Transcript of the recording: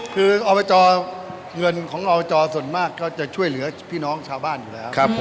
คืออบจเงินของอบจส่วนมากก็จะช่วยเหลือพี่น้องชาวบ้านอยู่แล้ว